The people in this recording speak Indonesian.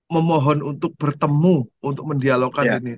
memohon untuk bertemu untuk mendialogkan ini